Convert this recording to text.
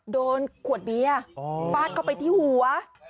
โดนขวดเบียร์ฟาดเข้าไปที่หัว